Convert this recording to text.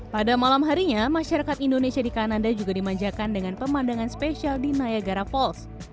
pada malam harinya masyarakat indonesia di kanada juga dimanjakan dengan pemandangan spesial di nayagara voltz